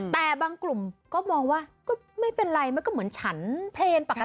แต่บ้างกลุ่มไม่เป็นไรเหมือนฉันเพลย์ปกติ